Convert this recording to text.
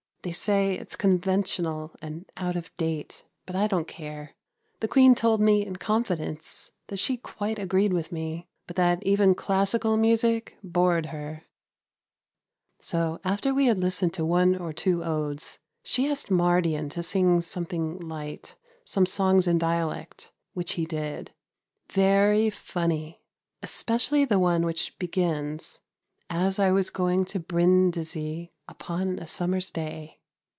They say it's conventional and out of date; but I don't care. The Queen told me in confidence that she quite agreed with me, but that even classical music bored her, so after we had listened to one or two odes, she asked Mardian to sing something light, some songs in dialect, which he did. Very funny, especially the one which begins: "As I was going to Brindisi, upon a summer's day."